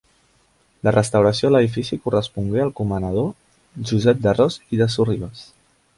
La restauració de l'edifici correspongué al comanador Josep de Ros i de Sorribes.